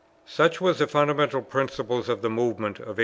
Such was the fundamental principle of the Movement of 1833.